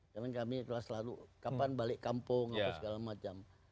karena kami selalu kapan balik kampung segala macam